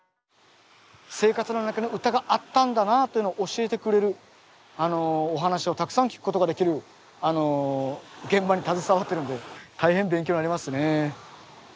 生活の中に唄があったんだなというのを教えてくれるお話をたくさん聞くことができる現場に携わってるんで大変勉強になりますね。